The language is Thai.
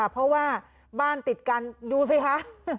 เพราะว่าบ้านติดกันดูสิคะ